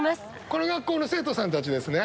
この学校の生徒さんたちですね。